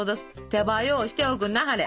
手早うしておくんなはれ。